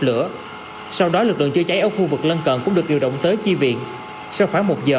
lửa sau đó lực lượng chữa cháy ở khu vực lân cận cũng được điều động tới chi viện sau khoảng một giờ